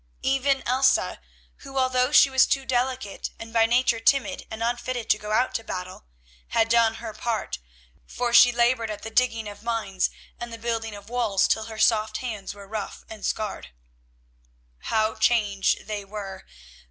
Even Elsa, who although she was too delicate and by nature timid and unfitted to go out to battle, had done her part, for she laboured at the digging of mines and the building of walls till her soft hands were rough and scarred. How changed they were.